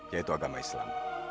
yaitu agama islam